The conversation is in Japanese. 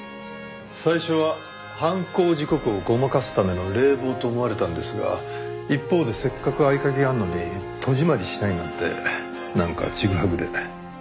最初は犯行時刻をごまかすための冷房と思われたんですが一方でせっかく合鍵あるのに戸締まりしないなんてなんかチグハグで。